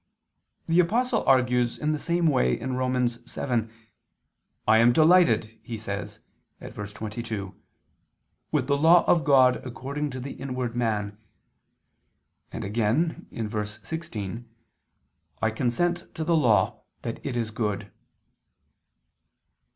The Apostle argues in the same way (Rom. 7): "I am delighted," says he (verse 22), "with the law of God, according to the inward man": and again (verse 16): "I consent to the law, that is good."